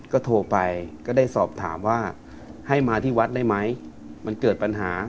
ก็โทรไปก็ได้สอบถามว่าให้มาที่วัดได้ไหมมันเกิดปัญหา